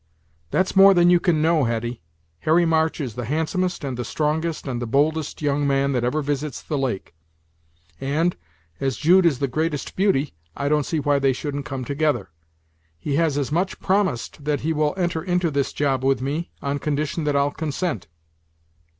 "That's more than you can know, Hetty. Harry March is the handsomest, and the strongest, and the boldest young man that ever visits the lake; and, as Jude is the greatest beauty, I don't see why they shouldn't come together. He has as much as promised that he will enter into this job with me, on condition that I'll consent."